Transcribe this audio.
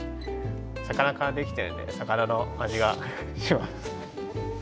魚からできてるので魚のあじがします。